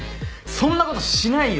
そんな事しないよ！